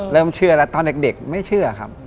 เชื่อแล้วตอนเด็กไม่เชื่อครับ